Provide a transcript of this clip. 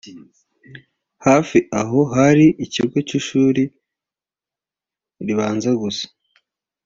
hafi aho hari ikigo cy’ishuri ribanza gusa